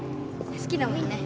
好きだもんね